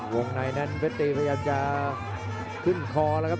ในนั้นเพชรตีพยายามจะขึ้นคอแล้วครับ